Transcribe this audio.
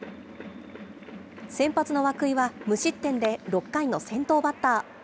先発の涌井は、無失点で６回の先頭バッター。